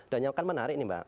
dan yang akan menarik nih mbak